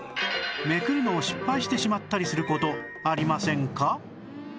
めくるのを失敗してしまったりする事ありませんか？